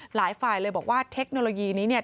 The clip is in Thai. หลายฝ่ายเลยบอกว่าเทคโนโลยีนี้เนี่ย